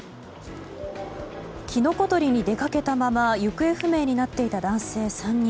キノコ採りに出掛けたまま行方不明になっていた男性３人。